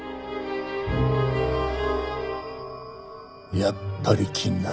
やっぱり気になる。